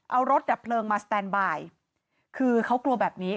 เอารถดับเพลิงมาสแตนบายคือเขากลัวแบบนี้